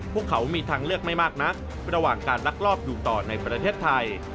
พวกเขามีทางเลือกไม่มากนักระหว่างการลักลอบอยู่ต่อในประเทศไทย